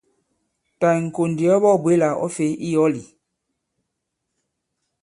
Tà ì-ŋ̀kò ndì ɔ baa-bwě là ɔ̌ fè i yɔ̌l ì?